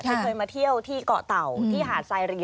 เคยมาเที่ยวที่เกาะเต่าที่หาดไซรี